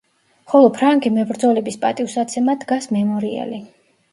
ხოლო ფრანგი მებრძოლების პატივსაცემად დგას მემორიალი.